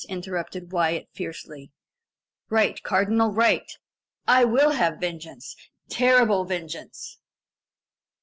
interrupted Wyat fiercely. "Right, cardinal right. I will have vengeance terrible vengeance!"